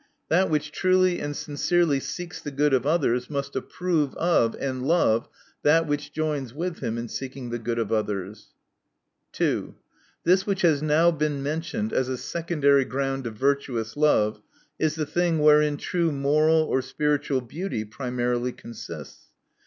That which truly and sincerely seeks the good of others, must approve of, and love, that which joins with him in seeking the good of others. 2. This which has been now mentioned as a secondary ground of virtuous love, is the thing wherein true moral or spiritual beauty primarily consists.